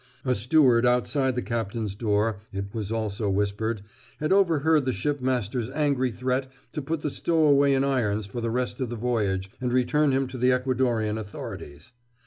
A steward outside the Captain's door, it was also whispered, had over heard the shipmaster's angry threat to put the stowaway in irons for the rest of the voyage and return him to the Ecuadorean authorities.